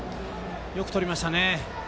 よくとりましたね。